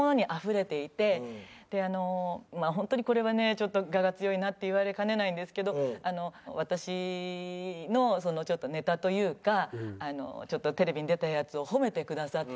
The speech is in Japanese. ちょっと我が強いなって言われかねないんですけど私のちょっとネタというかちょっとテレビに出たやつを褒めてくださって。